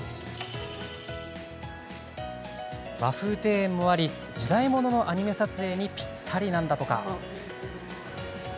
和風庭園もあり時代物のアニメ撮影にぴったりなんだとか。